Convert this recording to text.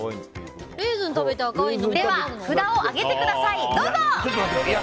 では札を上げてください。